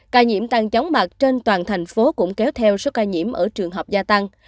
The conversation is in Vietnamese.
ca nhiễm tăng chóng mặt trên toàn thành phố cũng kéo theo số ca nhiễm ở trường học gia tăng